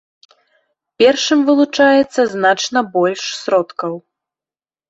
Першым вылучаецца значна больш сродкаў.